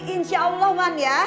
insya allah man ya